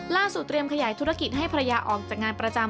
เตรียมขยายธุรกิจให้ภรรยาออกจากงานประจำ